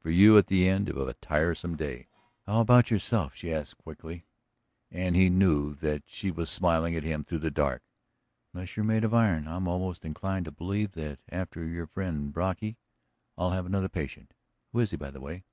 For you, at the end of a tiresome day. ..." "How about yourself?" she asked quickly, and he knew that she was smiling at him through the dark. "Unless you're made of iron I'm almost inclined to believe that after your friend Brocky I'll have another patient. Who is he, by the way?"